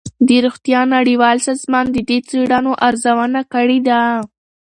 د روغتیا نړیوال سازمان د دې څېړنو ارزونه کړې ده.